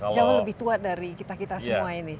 jauh lebih tua dari kita kita semua ini